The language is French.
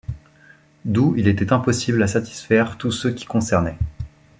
D'où, il était impossible à satisfaire tous ceux qui concernaient.